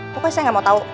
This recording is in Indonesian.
pokoknya saya gak mau tau